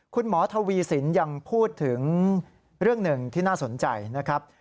คุณหมอทวีสินยังพูดถึงเรื่องหนึ่งที่น่าสนใจนะครับ